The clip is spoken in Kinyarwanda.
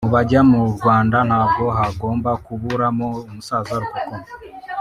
Mubajya mu Rwanda ntabwo hagomba kuburamo umusaza Rukokoma